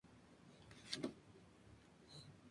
La taxonomía del orden Gruiformes es controvertida.